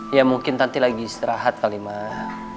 ya mungkin tante lagi istirahat kalimah